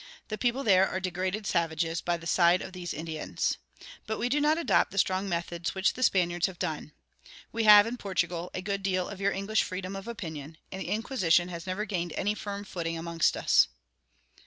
The people there are degraded savages by the side of these Indians. But we do not adopt the strong methods which the Spaniards have done. We have, in Portugal, a good deal of your English freedom of opinion, and the Inquisition has never gained any firm footing amongst us."